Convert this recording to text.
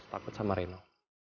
hai kenapa kau takut sama reno